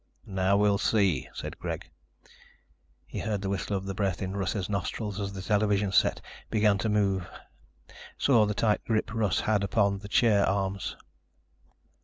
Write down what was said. "Now we'll see," said Greg. He heard the whistle of the breath in Russ's nostrils as the television set began to move, saw the tight grip Russ had upon the chair arms.